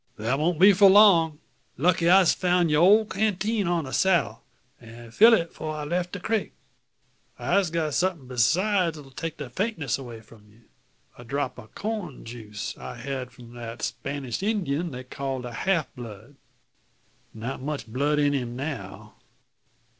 "That won't be for long. Lucky I'se foun' you ole canteen on the saddle, an' filled it 'fore I left the creek. I'se got somethin' besides 'll take the faintness 'way from you; a drop o' corn juice, I had from that Spanish Indyin they call the half blood. Not much blood in him now.